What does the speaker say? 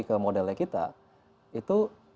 ke modelnya kita itu